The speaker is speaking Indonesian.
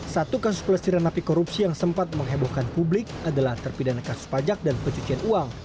satu kasus pelecehan api korupsi yang sempat menghebohkan publik adalah terpidana kasus pajak dan pencucian uang